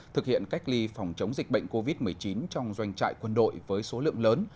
thực hiện cách ly phòng chống dịch bệnh covid một mươi chín trong doanh trại quân đội với số lượng lớn